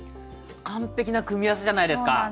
完璧な組み合わせじゃないですか。